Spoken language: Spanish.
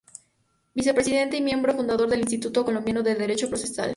Vicepresidente y miembro fundador del Instituto Colombiano de Derecho Procesal.